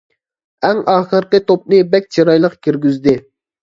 ئەڭ ئاخىرقى توپنى بەك چىرايلىق كىرگۈزدى.